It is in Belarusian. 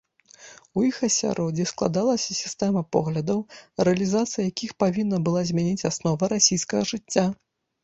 У іх асяроддзі складалася сістэма поглядаў, рэалізацыя якіх павінна была змяніць асновы расійскага жыцця.